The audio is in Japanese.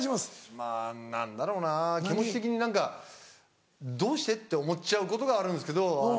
まぁ何だろうな気持ち的に何かどうして？って思っちゃうことがあるんですけど。